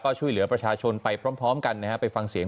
ก็ช่วยเหลือประชาชนไปพร้อมกันนะฮะไปฟังเสียง